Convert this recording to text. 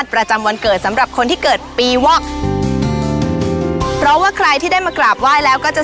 ประจำวันเกิดสำหรับคนที่เกิดปีวอกเพราะว่าใครที่ได้มากราบไหว้แล้วก็จะ